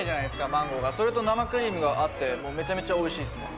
マンゴーがそれと生クリームが合ってもうめちゃめちゃおいしいっすね